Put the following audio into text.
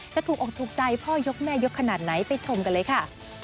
จะถูกออกถูกใจพ่อยกแม่ยกขนาดไหนไปชมกันเลยค่ะ